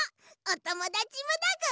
おともだちもだぐ！